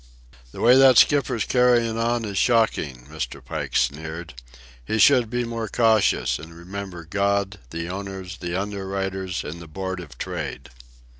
"The way that skipper's carryin' on is shocking," Mr. Pike sneered. "He should be more cautious, and remember God, the owners, the underwriters, and the Board of Trade."